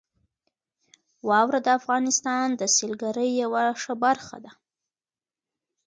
واوره د افغانستان د سیلګرۍ یوه ښه برخه ده.